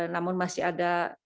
namun masih ada